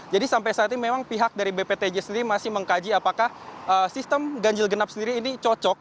jadi sampai saat ini memang pihak dari bptj sendiri masih mengkaji apakah sistem ganjil genap sendiri ini cocok